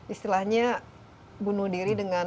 istilahnya bunuh diri dengan